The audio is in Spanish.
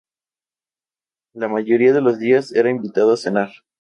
La mayoría de los días era invitado a cenar.